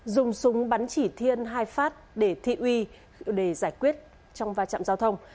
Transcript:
dùng súng bắn chỉ thiên hai phát để thị uy để giải quyết trong va chạm giao thông